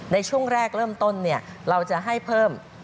ในช่วงแรกเริ่มต้นเราจะให้เพิ่ม